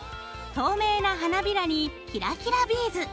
透明な花びらにキラキラビーズ。